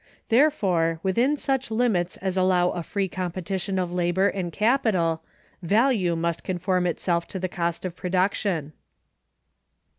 Therefore, within such limits as allow a free competition of labor and capital, value must conform itself to cost of production.